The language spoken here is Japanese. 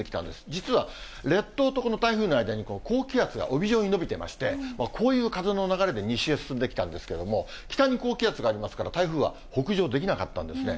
実は、列島とこの台風の間に高気圧が帯状に延びてまして、こういう風の流れで西へ進んできたんですけれども、北に高気圧がありますから、台風は北上できなかったんですね。